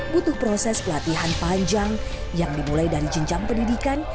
butuh proses pelatihan panjang yang dimulai dari jenjang pendidikan